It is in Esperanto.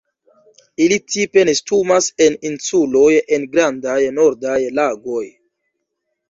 Ili tipe nestumas en insuloj en grandaj nordaj lagoj.